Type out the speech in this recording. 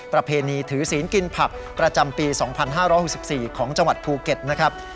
ประเพณีถือศีลกินผักประจำปี๒๕๖๔ของจังหวัดภูเก็ตนะครับ